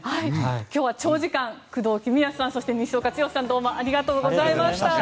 今日は長時間工藤公康さん、西岡剛さんありがとうございました。